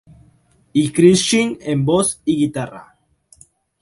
Y Chris Shin en voz y guitarra.